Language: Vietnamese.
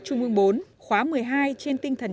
trung ương bốn khóa một mươi hai trên tinh thần